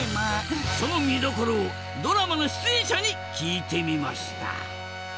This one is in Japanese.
その見どころをドラマの出演者に聞いてみました